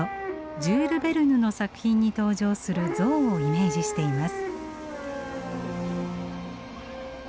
ジュール・ベルヌの作品に登場する象をイメージしています。